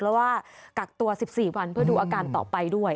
แล้วว่ากักตัว๑๔วันเพื่อดูอาการต่อไปด้วย